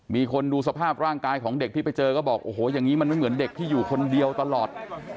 มีคนดูสภาพร่างกายของเด็กที่ไปเจอก็บอกโอ้โหอย่างนี้มันไม่เหมือนเด็กที่อยู่คนเดียวตลอด